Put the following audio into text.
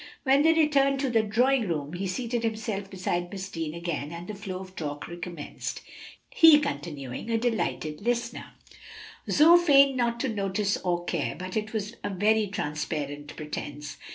When they returned to the drawing room he seated himself beside Miss Deane again, and the flow of talk recommenced, he continuing a delighted listener. Zoe feigned not to notice or care, but it was a very transparent pretence.